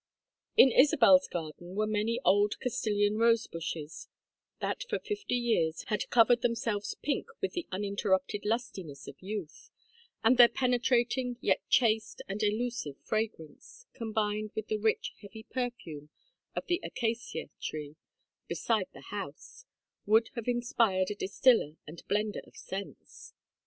In Isabel's garden were many old Castilian rose bushes, that for fifty years had covered themselves pink with the uninterrupted lustiness of youth; and their penetrating, yet chaste and elusive fragrance, combined with the rich heavy perfume of the acacia tree beside the house, would have inspired a distiller and blender of scents.